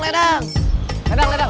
ledang ledang ledang